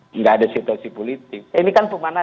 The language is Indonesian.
tidak ada situasi politik